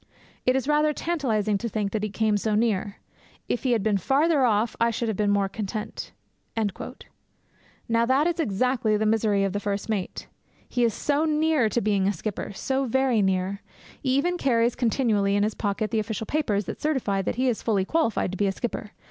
It is rather tantalizing to think that he came so near; if he had been farther off I should have been more content.' Now that is exactly the misery of the first mate. He is so near to being a skipper, so very near. He even carries continually in his pocket the official papers that certify that he is fully qualified to be a skipper.